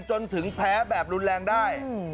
จนถึงแพ้แบบรุนแรงได้